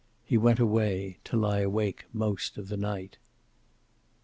He went away, to lie awake most of the night.